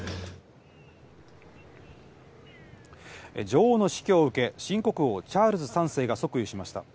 女王の死去を受け、新国王、チャールズ３世が即位しました。